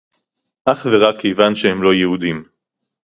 אך ורק כיוון שהם לא יהודים